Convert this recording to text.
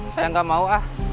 saya enggak mau ah